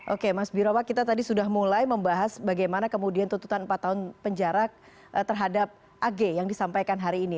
oke mas birowa kita tadi sudah mulai membahas bagaimana kemudian tuntutan empat tahun penjara terhadap ag yang disampaikan hari ini